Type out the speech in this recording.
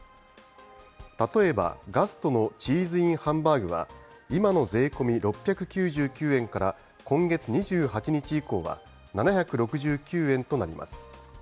例えばガストのチーズＩＮハンバーグは、今の税込み６９９円から、今月２８日以降は７６９円となります。